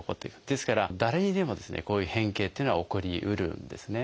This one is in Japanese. ですから誰にでもですねこういう変形っていうのは起こりうるんですね。